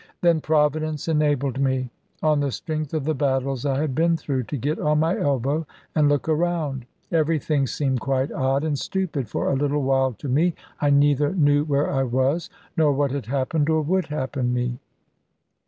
Then Providence enabled me, on the strength of the battles I had been through, to get on my elbow, and look around. Everything seemed quite odd and stupid for a little while to me. I neither knew where I was, nor what had happened or would happen me.